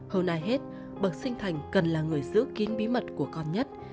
hôm nay hết bậc sinh thành cần là người giữ kín bí mật của con nhất